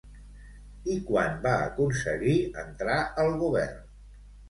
I quan va aconseguir entrar al govern?